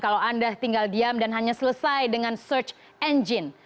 kalau anda tinggal diam dan hanya selesai dengan search engine